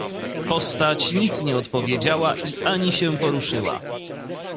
"Postać nic nie odpowiedziała i ani się poruszyła."